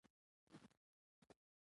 دا ښوونځی اوس د پرلهپسې اوولسم کال لپاره،